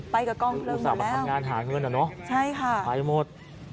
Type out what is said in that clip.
ไปกับกล้องเพลิงหมดแล้วใช่ค่ะไปหมด